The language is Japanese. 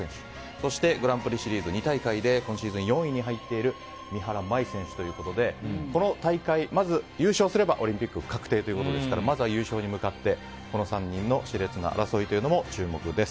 そしてグランプリシリーズ２大会で今シーズン４位に入っている三原舞依選手ということでこの大会まず優勝すればオリンピックは確定なのでまずは優勝に向かってこの３人のし烈な争いに注目です。